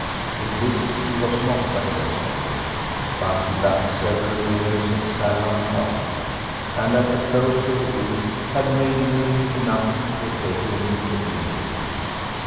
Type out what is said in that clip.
In this he was not successful, but he backed several winners at Sandown Park, and at the close of the week had made nearly enough to take him to Egypt.